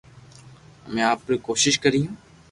امي آپري پوري ڪوݾݾ ڪريو